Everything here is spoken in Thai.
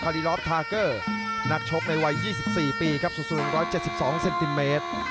รีรอฟทาเกอร์นักชกในวัย๒๔ปีครับสูง๑๗๒เซนติเมตร